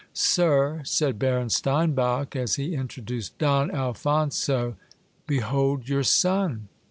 Sir, said Baron Steinbach as he introduced Don Alphonso, behold your son.